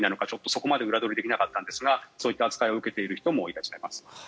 そこまで裏取りできなかったんですがそういった扱いを受けている人もいらっしゃいます。